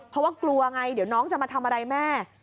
เพราะว่ากลัวไงเดี๋ยวน้องจะมาทำอะไรแม่